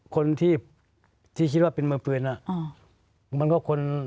คนที่คิดว่าเป็นมือเฟือน